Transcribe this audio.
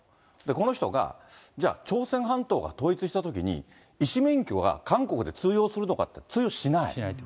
この人がじゃあ朝鮮半島が統一したときに、医師免許が韓国で通用するのかっていったら通用しない。